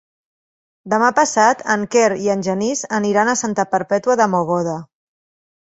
Demà passat en Quer i en Genís aniran a Santa Perpètua de Mogoda.